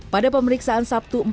pada pemeriksaan sabtu empat